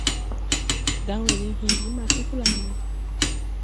Danwe din hen ɓi ma ti holaŋ no.